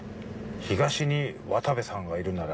東に渡部さんがいるなら。